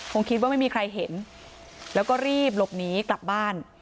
คงคิดว่าไม่มีใครเห็นแล้วก็รีบหลบหนีกลับบ้าน